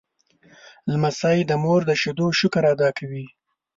لمسی د مور د شیدو شکر ادا کوي.